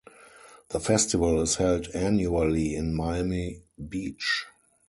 The festival is held annually in Miami Beach.